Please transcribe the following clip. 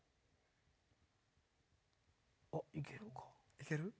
いけるか？